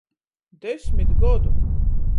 Desmit godu!